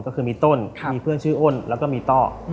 ก็คือมีต้นมีเพื่อนชื่ออ้นแล้วก็มีต้อ